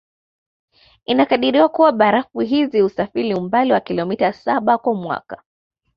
Inakadiriwa kua barafu hizi husafiri umbali wa kilometa saba kwa mwaka